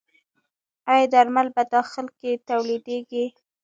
آیا درمل په داخل کې تولیدیږي؟